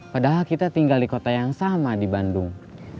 padahal kita tinggal di kota yang sama di bandung